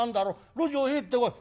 路地を入ってこい。